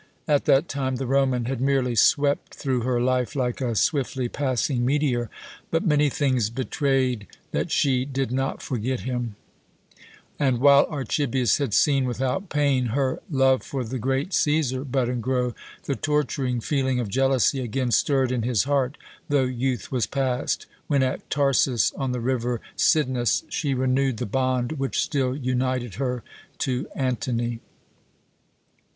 At that time the Roman had merely swept through her life like a swiftly passing meteor, but many things betrayed that she did not forget him; and while Archibius had seen without pain her love for the great Cæsar bud and grow, the torturing feeling of jealousy again stirred in his heart, though youth was past, when at Tarsus, on the river Cydnus, she renewed the bond which still united her to Antony.